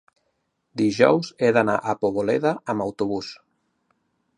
dijous he d'anar a Poboleda amb autobús.